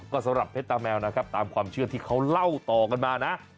ก็สำหรับเพชรตาแมวนะครับตามความเชื่อที่เขาเล่าต่อกันมานะ